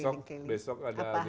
oh besok ada agenda